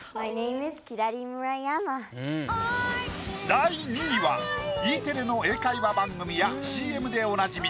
第２位はＥテレの英会話番組やＣＭでおなじみ